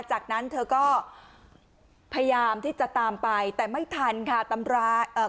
จากนั้นเธอก็พยายามที่จะตามไปแต่ไม่ทันค่ะตำราเอ่อ